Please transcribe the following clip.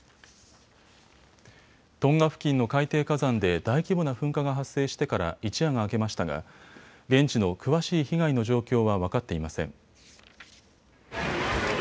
トンガ付近の海底火山で大規模な噴火が発生してから一夜が明けましたが現地の詳しい被害の状況は分かっていません。